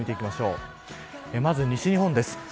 まず西日本です。